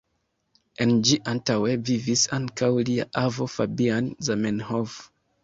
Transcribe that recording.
En ĝi antaŭe vivis ankaŭ lia avo Fabian Zamenhof.